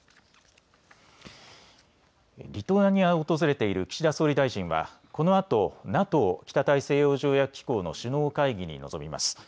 リトアニアを訪れている岸田総理大臣はこのあとＮＡＴＯ・北大西洋条約機構の首脳会議に臨みます。